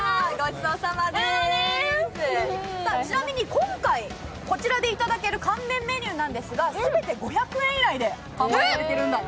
ちなみに今回、こちらでいただける乾麺メニューなんですが全て５００円以内で買えるんだよ。